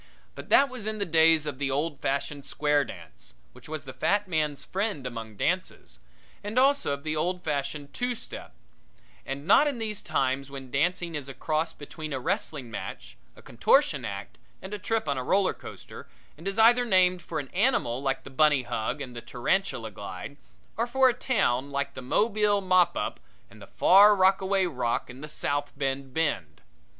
But that was in the days of the old fashioned square dance, which was the fat man's friend among dances, and also of the old fashioned two step, and not in these times when dancing is a cross between a wrestling match, a contortion act and a trip on a roller coaster, and is either named for an animal, like the Bunny Hug and the Tarantula Glide, or for a town, like the Mobile Mop Up, and the Far Rockaway Rock and the South Bend Bend.